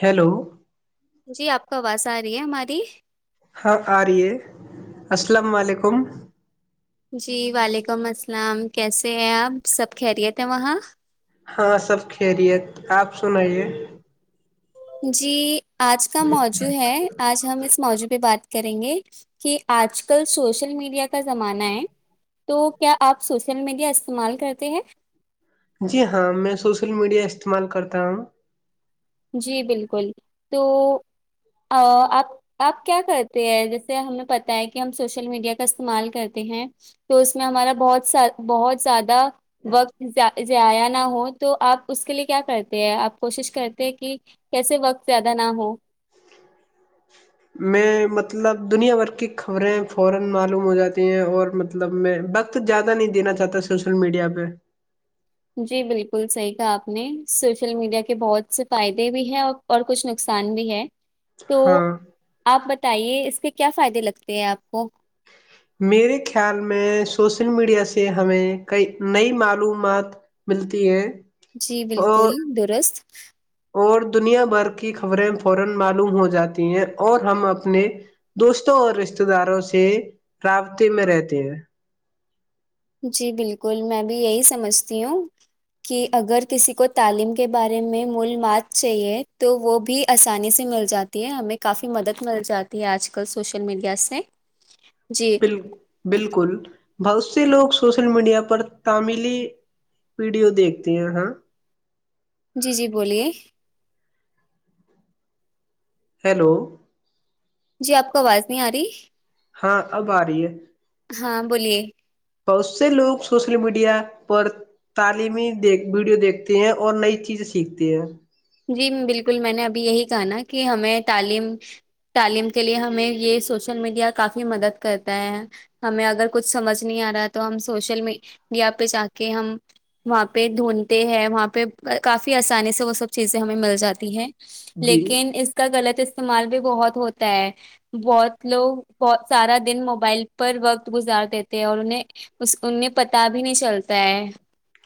hello جی آپ کو آواز آ رہی ہے ہماری ہاں آ رہی ہے السلام علیکم جی وعلیکم السلام کیسے ہیں آپ سب خیریت ہے وہاں ہاں سب خریت آپ سناائیے جی آج کا موضوع ہے آج ہم اس موضوعہ بات کریں گے کہ آج کل سوشل میڈیا کا زمانہ ہے تو کیا آپ سوشل میڈیا استعمال کرتے ہیں جی ہاں میں سوشل میڈیا استعمال کرتا ہوں جی بالکل تو آپ آپ کیا کرتے ہیں جیسے ہمیں پت ہے کہ ہم سوشل میڈیا کا استعمال کرتے ہیں تو اس میں ہمارا بہت بہت زیادہ وقت ضائع نہ ہو تو آپ اس کے لیے کیا کرتے ہیں آپ کوشش کرتے کہ کیسے وقت زیادہ نہ ہو [inaudible] جی بالکل صحیح کہا آپ نے سوشل میڈیا کے بہت سے فائدے بھی ہیں اور اور کچھ نقصان بھی ہے تو ہاں آپ ب بتائیے اس کے کیا فائدے لگتے ہیں آپ کو میرے خیال میں سوشل میڈیا سے ہمیں کئی نئی معلومات ملتی ہے جی اور بالکل درست [inaudible] جی بالکل میں بھی یہی سمجھتی ہوں کہ اگر کسی کو تعلیم کے بارے میں ملومات چاہیے تو وہ بھی آسانی سے مل جاتی ہے ہمیں کافی مدد مل جاتی ہے آج کل سوشل میڈیا سے جی ب بالکل بہت سے لوگ سوشل میڈیا پر تمیلی ویڈیو دیکھتے ہیں ہاں جی جی بولیے ہیلو جی آپ کو آواز نہیں آ رہی ہاں اب آ رہی ہے ہاں بولیے بہت سے لوگ سوشل میڈیا پر تعلیمی د ویڈیو دیکھتے ہیں اور نئی چیزیں سیکھتے ہیں جی بالکل میں نے ابھی یہی کہا ن کہ ہمیں تعلیم تعلیم کے لیے ہمیں یہ سوشل میڈیا کافی مدد کرتا ہے ہمیں اگر کچھ سمجھ نہیں آ رہا ہے تو ہم سوشل میڈیا پہ جا کے ہم وہاں پہ ڈھونڈتے ہیں وہاں پہ کافی آسانی سے وہ سب چیزیں ہمیں مل جاتی ہیں جی لیکن اس کا غلط استعمال بھی بہت ہوتا ہے بہت لوگ بہت سارا دن موبائل پر وقت گزار دیتے ہیں اور انہیں انہیں پتا بھی نہیں چلتا ہے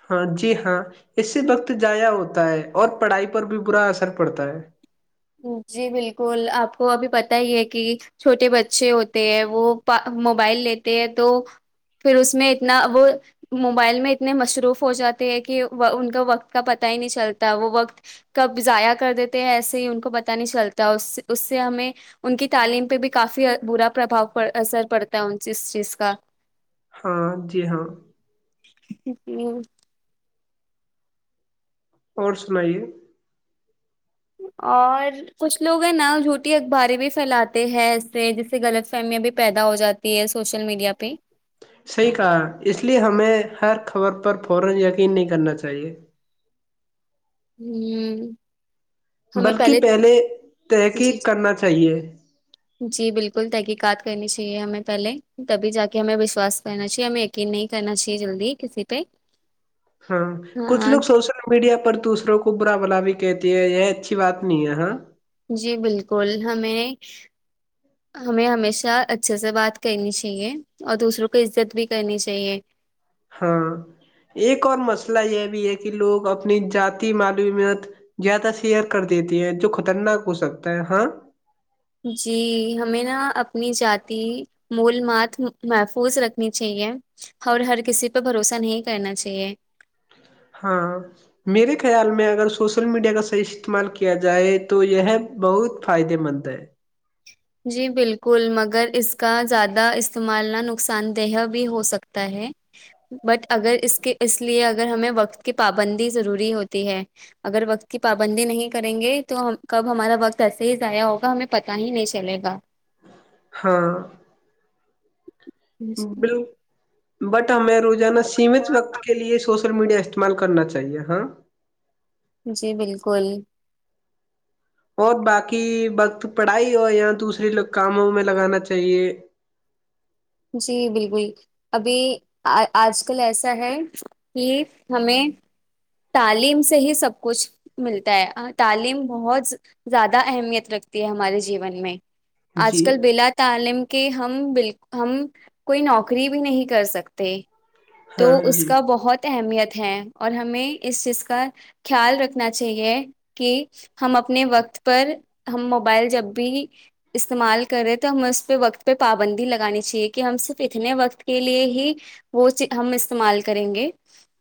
ہاں جی ہاں اس سے وقت جضایا ہوتا ہے اور پڑھائی پر بھی برا اثر پڑتا ہے جی بالکل آپ کو ابھی پت ہی ہے کہ چھوٹے بچے ہوتے ہیں وہ موبائل لیتے ہیں تو پھر اس میں اتنا وہ موبائل میں اتنے مصروف ہو جاتے ہیں کہ ان کا وقت کا پت ہی نہیں چلتا وہ وقت کب ضائع کر دیتے ہیں ایسے ہی کو پتا نہیں چلتا اس سے ہمیں ان کی تعلیم پہ بھی کافی برا پرباؤ اثر پڑتا ہے اس چیز کا ہاں جی ہاں ہوں اور سنائیے اور کچھ لوگ ہیں نا جھوٹی اخباری بھی پھیلاتے ہیں ای سے جس سے غلط فہمیاں بھی پیدا ہو جاتی ہے سوشل میڈیا پہ [inaudible] [unintelligible] ہوں ہمیں پہلے جی تحقیق ج کرنا چاہیے جی بالکل تحقیقات کرنی چاہیے چ ہمیں پہلے تبھی جا کے ہمیں وشواس کرنا چاہیے ہمیں یقین نہیں کرنا چاہیے جلدی کسی پہ ہاں کچھ ہاں لوگ سوشل میڈیا پر دوسروں کو برا بلا بھی کہتی ہے یہ اچھی بات نہیں ہے ہاں جی بالکل ہمیں ہمیں ہمیشہ اچھے سے بات کرنی چاہیے اور دوسروں کو عزت بھی کرنی چاہیے ہاں ایک اور مسئلہ یہ بھی ہے کہ لوگ اپنی جذات معلوومت زیادہ شیئر کر دیتے ہیں جو خطرناک ہو سکتا ہے ہاں جی ہمیں نا اپنی جذاتی مول مات محفوظ رکھنی چاہیے اور ہر کسی پہ بھروسہ نہیں کرنا چاہیے ہاں میرے خیال میں اگر سوشل میڈیا کا صحیح استعمال کیا جائے تو یہ بہت فائدے مند ہے جی بالکل مگر اس کا زیادہ استعمال نہ نقصان دہ بھی ہو سکتا ہے بٹ اگر اس کے اس لیے اگر ہمیں وقت کی پابندی ضروری ہوتی ہے اگر وقت کی پابندی نہیں کریں گے تو کب ہمارا وقت ایسے ہی ضائع ہوگا ہمیں پت ہی نہیں چل چلے گا ہاں جی بلو بٹ ہمیں روزانہ سیمت وقت کے لئے سوش سوشل میڈیا استعمال کرنا چاہے ہاں جی بالکل اور باقی وقت پڑھائی ہو یا دوسرے کاموں میں لگانا چاہیے جی بالکل ابھی آج کل ایسا ہے کہ ہمیں تعلیم سے ہی سب کچھ ملتا ہے تعلیم بہت زیادہ اہمیت رکھتی ہے ہمارے جیون میں آج جی کل بلا تعالم کہ ہم ب ہم کوئی نوکری بھی نہیں کر سکتے تو ہاں اس جی کا بہت اہمیت ہیں اور ہمیں اس چیز کا خیال رکھنا چاہیے کہ ہم اپنے وقت پر ہم موبائل جب بھی استعمال کرے تو ہمیں اس پہ وقت پہ پابندی لگانی چاہیے کہ ہم صرف اتنے وقت کے لیے ہی وہ ہم استعمال کریں گے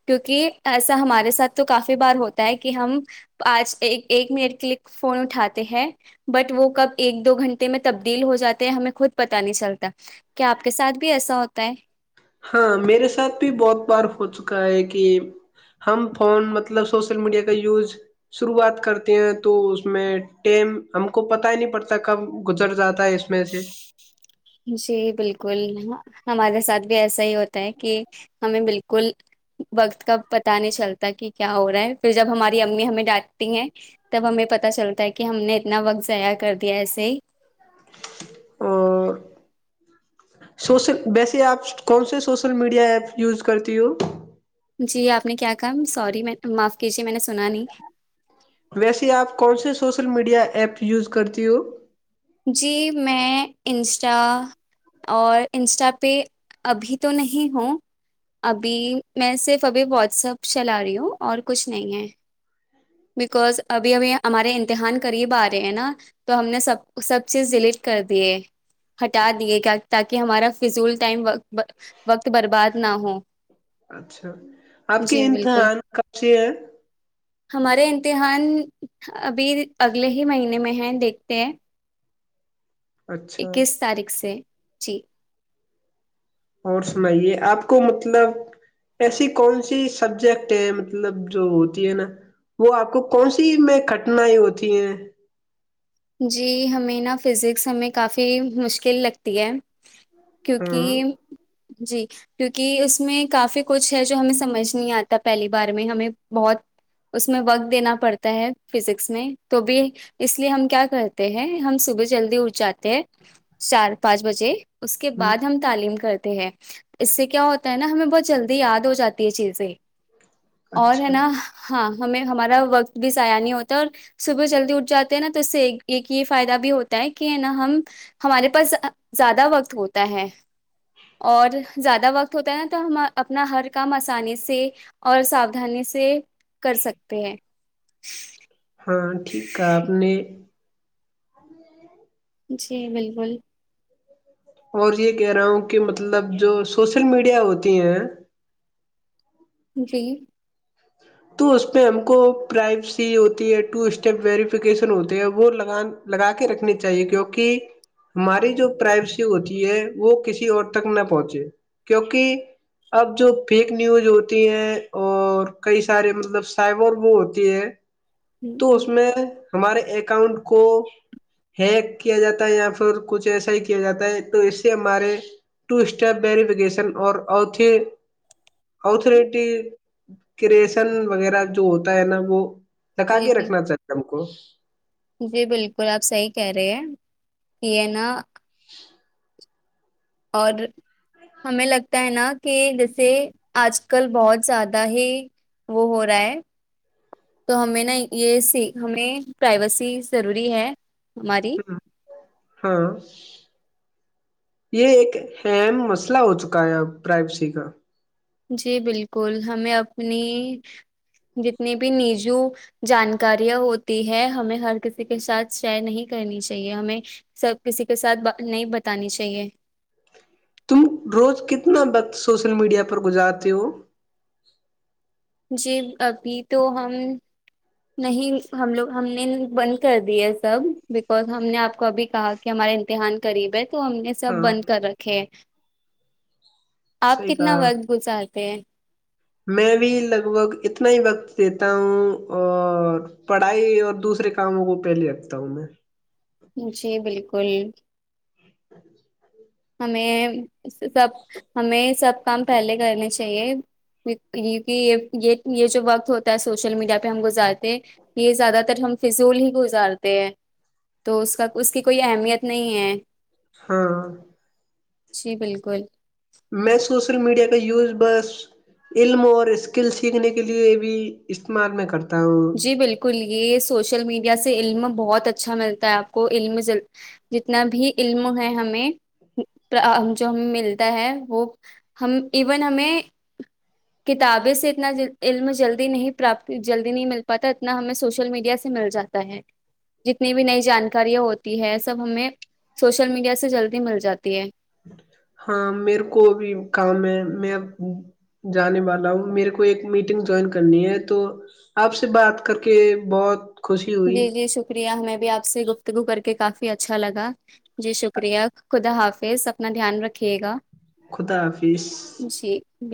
کیونکہ ایسا ہمارے ساتھ تو کافی بار ہوتا ہے کہ ہم آج ایک منٹ کلک فون اٹھاتے ہیں بٹ وہ کب ایک دو گھنٹے میں تبدیل ہو جاتے ہیں ہمیں خود پت نہیں چلتا کیا آپ کے ساتھ بھی ایسا ہوتا ہے ہاں میرے ساتھ بھی بہت بار ہو چکا ہے کہ ہم فون مطلب سوشل میڈیا کا یوز شروعات کرتے ہیں تو اس میں ٹیم ہم کو پت ہی نہیں پڑتا کب گزر جاتا تا اس میں سے جی بالکل ہمارے ساتھ بھی ایسا ہی ہوتا ہے کہ ہمیں بالکل وقت کا پتا نہیں چلتا کہ کیا ہو رہا ہے پھر جب ہماری امی ہمیں ڈانٹتی ہیں تب ہمیں پت چلتا ہے کہ ہم نے اتنا وقت ضائع کر دیا ایسے ہی اور سوشل ویسے آپ کون سے سوشل میڈیا ایپ یوز کرتی ہو جی آپ نے کیا کہا سوری میں معاف کیجیے میں نے سنا نہیں ویسے آپ کون سے سوشل میڈیا ایپ یوز کرتی ہو جی میں انسٹا اور انسٹا پہ ابھی تو نہیں ہوں ابھی میں صرف ابھی واٹسپ چلا رہی ہوں اور کچھ نہیں ہے بکوز ابھی ابھی ہمارے امتحان قریب آ رہے ہیں نا تو ہم نے سب سب چیز ڈیلیٹ کر دیے ہٹا دیے تاکہ ہمارا فضول ٹائم وقت برباد نہ ہو اچھا آپ کے جی بالکل امتحان کب سے ہیں ہمارے امتحان ابھی اگلے ہی مہینے میں ہیں دیکھتے ہیں اچھا اکیس تاریخ سے جی اور سنائیے آپ کو مطلب ایسی کون سی سبجیکٹ ہیں مطلب جو ہوتی ہے نا وہ آپ کو کون سی میں کٹنائ ہوتی ہیں جی ہمیں نا فزکس ہمیں کافی مشکل لگتی ہے ہاں کیونکہ جی کیونکہ اس میں کافی کچھ ہے جو ہمیں سمجھ نہیں آتا پہلی بار میں ہمیں بہت اس میں وقت دینا پڑتا ہے فزکس میں تو بھی اس لیے ہم کیا کرتے ہیں ہم صبح جلدی اٹھ جاتے ہیں چار پانچ بجے اس کے ہ بعد ہم تعلیم کرتے اس سے کیا ہوتا ہے نا ہمیں بہت جلدی یاد ہو جاتی ہے چیزیں اور ہے اچھا نا ہاں ہمیں ہمارا وقت بھی ضائع نہیں ہوتا ہے اور صبح جلدی اٹھ جاتے ہیں نا تو اس سے ایک ایک یہ فائدہ بھی ہوتا ہے کہ نا ہم ہمارے پاس زیادہ وقت ہوتا ہے اور زیادہ وقت ہوتا ہے نا تو ہم اپنا ہر کام آسانی سے اور ساؤھانی سے کر سکتے ہیں ہاں ٹھیک ہے آپ نے [unintelligible] جی بالکل اور یہ کہہ رہا ہوں کہ مطلب جو سوشل میڈیا ہوتی ہیں جی تو اس پ ہم کو پرائیوسی ہوتی ہے ٹو اسٹیپ ویریفکیشن ہوتے ہے وہ لگان لگا کے رکھنی چاہیے کیونکہ ہماری جو پرائیوسی ہوتی ہے وہ کسی اور تک نہ پہنچے کیونکہ اب جو فیک نیوز ہوتی ہیں اور کئی سارے مطلب سائبر وہ ہوتی ہے تو ہ اس میں ہمارے اکاؤنٹ کو ہیک کیا جاتا ہے یا پھر کچھ ایسا ہی کیا جاتا ہے تو اس سے ہمارے ٹو اسٹپ ویریفکیشن اور اریٹی کے ن وغیرہ جو ہوتا ہے نا وہ تک جی آگے جی رکھنا چاہیے کوش جی بالکل آپ صحی کہہ رہے ہیں کہ یہ نا [unintelligible] اور ہمیں لگتا ہے نا کہ جیسے آج کل بہت زیادہ ہی وہ ہو رہا ہے تو ہمیں نا یہ س ہمیں پرائیویسی ضروری ہے ہماری ہ ہاں یہ ایک ام مسئلہ ہو چکا ہے اب پرائبسی کا جی بالکل ہمیں اپنی جتنی بھی نیجو جانکاریاں ہوتی ہے ہمیں ہر کسی کے ساتھ شیئر نہیں کرنی چاہیے ہمیں سب کسی کے ساتھ نہیں بتانی چاہیے تم روز کتنا وقت سوشل میڈیا پر گزارتے ہو جی ابھی تو ہم نہیں ہم لوگ ہم نے بند کر د ہے سب بکوز ہم نے آپ کو ابھی کہا کہ ہمارا امتحان قریب ہے تو ہم نے سب ہاں بند کر رکھے آپ صحیح کتنا کہا وقت گزارتے ہیں میں بھی لگ بھگ اتنا ہی وقت دیتا ہوں اور پڑھائی اور دوسرے کاموں کو پہلے رکھتا ہوں میں جی بالکل چ [unintelligible] ہمیں سب ہمیں سب کام پہلے کرنے چاہی اہے کہ یہ یہ یہ جو وقت ہوتا ہے سوشل میڈیا پہ ہم گزارتے یہ زیادہ تر ہم فضول ہی گزارتے ہیں تو اس کا اس کی کوئی اہمیت نہیں ہے ہاں جی بالکل میں سوشل میڈیا کا یوز بس علم اور اسکل سیکھنے کے لیئے بھی استعمال میں کرتا ہوں جی بالکل یہ سوشل میڈیا سے علم بہت اچھا ملتا ہے آپ کو علم جتنا بھی علم ہے ہمیں جو ہم ملتا ہے وہ ہم ایون ہمیں کتابیں سے اتنا علم جلدی نہیں پراپ جلدی نہیں ملتا پتا اتنا ہمیں سوشل میڈیا سے مل جاتا ہے جتنی بھی نئی جانکاریاں ہوتی ہے سب ہمیں سوشل میڈیا سے جلدی مل جاتی ہے ہاں میرے کو بھی کام ہے میں اب جانے والا ہوں میرے کو ایک میٹنگ جوائن کرنی ہے تو آپ سے بات کر کے بہت خوشی ہوئی جی جی شکریہ ہمیں بھی آپ سے گفتگو کر کے کافی اچھا لگا جی شکریہ خدا حافظ اپنا دھیان رکھیے گا خدا حافظ جی بالکل